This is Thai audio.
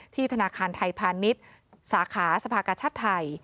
ธนาคารไทยพาณิชย์สาขาสภากชาติไทย